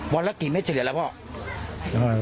วันละกี่เม็ดเฉลี่ยแหละพ่อ